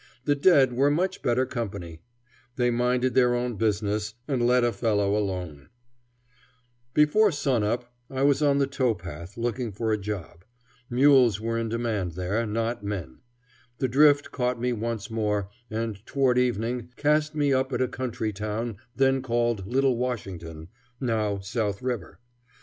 The dead were much better company. They minded their own business, and let a fellow alone. [Illustration: "The dead were much better company"] Before sun up I was on the tow path looking for a job. Mules were in demand there, not men. The drift caught me once more, and toward evening cast me up at a country town then called Little Washington, now South River.